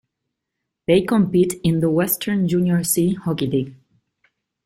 They compete in the Western Junior C hockey league.